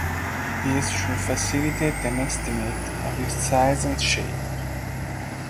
This should facilitate an estimate of its size and shape.